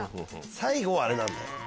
最後はあれなんだよ。